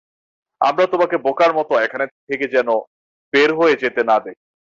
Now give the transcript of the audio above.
আমরা তোমাকে বোকার মত এখানে থেকে যেন বের হয়ে যেতে না দেখি।